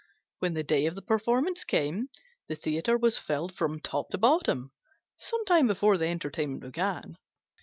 When the day of the performance came, the theatre was filled from top to bottom some time before the entertainment began.